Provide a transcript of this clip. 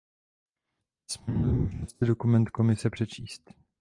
Dnes jsme měli možnost si dokument Komise přečíst.